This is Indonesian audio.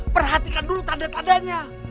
perhatikan dulu tanda tandanya